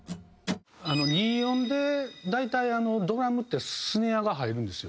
２４で大体ドラムってスネアが入るんですよ。